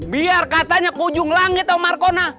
biar kasanya ke ujung langit om markona